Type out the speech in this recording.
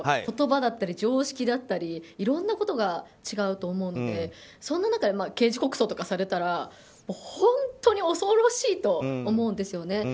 言葉だったり常識だったりいろんなことが違うと思うのでそんな中で刑事告訴とかされたら本当に恐ろしいと思うんですよね。